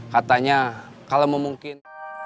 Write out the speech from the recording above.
katanya kalau mau mungkin